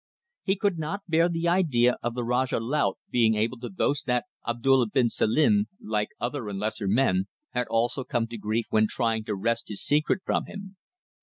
He could not bear the idea of the Rajah Laut being able to boast that Abdulla bin Selim, like other and lesser men, had also come to grief when trying to wrest his secret from him.